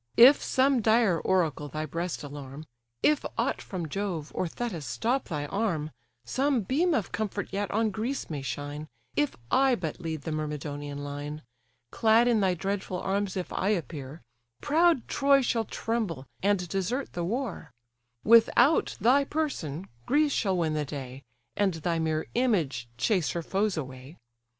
"If some dire oracle thy breast alarm, If aught from Jove, or Thetis, stop thy arm, Some beam of comfort yet on Greece may shine, If I but lead the Myrmidonian line: Clad in thy dreadful arms if I appear, Proud Troy shall tremble, and desert the war; Without thy person Greece shall win the day, And thy mere image chase her foes away.